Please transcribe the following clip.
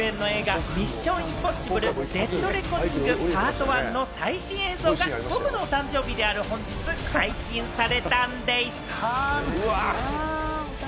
トム・クルーズ主演の映画『ミッション：インポッシブル／デッド・レコニングＰＡＲＴＯＮＥ』の最新映像が、トムのお誕生日である本日解禁されたんでぃす。